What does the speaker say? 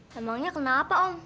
namanya kenapa om